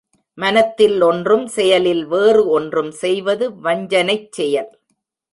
மனத்தில் ஒன்றும் செயலில் வேறு ஒன்றும் செய்வது வஞ்சனைச் செயல்.